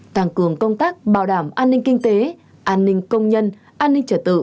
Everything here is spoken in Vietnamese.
tăng cường công tác bảo đảm an ninh kinh tế an ninh công nhân an ninh trật tự